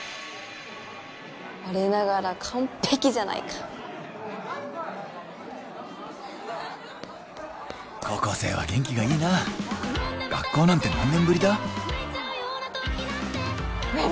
我ながら完璧じゃないか高校生は元気がいいな学校なんて何年ぶりだねえ